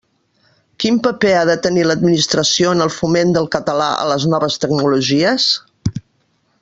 Quin paper ha de tenir l'Administració en el foment del català a les noves tecnologies?